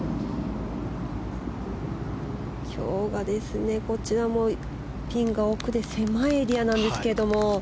今日はこちらもピンが奥で狭いエリアなんですけど。